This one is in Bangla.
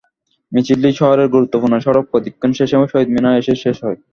মিছিলটি শহরের গুরুত্বপূর্ণ সড়ক প্রদক্ষিণ শেষে শহীদ মিনারে এসে শেষ হয়।